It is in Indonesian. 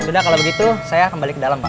sudah kalau begitu saya kembali ke dalam pak